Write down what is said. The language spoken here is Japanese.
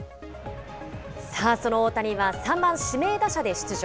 その大谷は３番指名打者で出場。